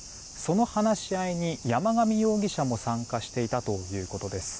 その話し合いに、山上容疑者も参加していたということです。